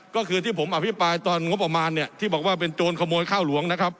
ก็คือที่ผมอภิปรายตอนงบประมาณเนี่ยที่บอกว่าเป็นโจรขโมยข้าวหลวงนะครับ